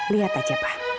lihat aja pak